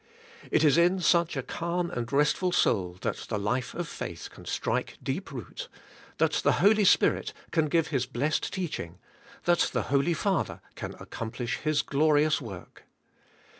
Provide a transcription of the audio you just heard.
It is in such a calm and restful soul that the life of faith can strike deep root, that the Holy Spirit can give His blessed teaching, that the Holy Father can accomplish His glorious work.